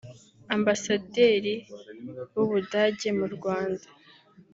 Ambasaderi w’u Budage mu Rwanda